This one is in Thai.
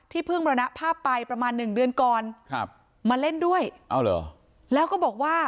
เพิ่งมรณภาพไปประมาณหนึ่งเดือนก่อนครับมาเล่นด้วยเอาเหรอแล้วก็บอกว่า